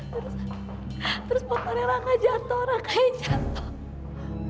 terus terus motornya raka jatuh raka yang jatuh